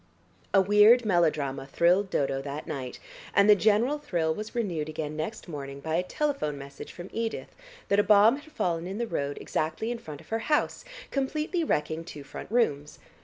A weird melodrama thrilled Dodo that night, and the general thrill was renewed again next morning by a telephone message from Edith that a bomb had fallen in the road exactly in front of her house, completely wrecking two front rooms.